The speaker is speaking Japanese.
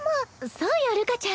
そうよるかちゃん。